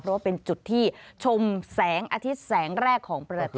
เพราะว่าเป็นจุดที่ชมแสงอาทิตย์แสงแรกของประเทศ